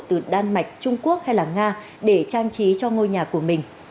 từ đan mạch trung quốc hay là nga để trang trí cho ngôi nhà của mình